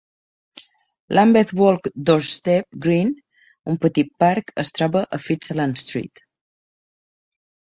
Lambeth Walk Doorstep Green, un petit parc, es troba a Fitzalan Street.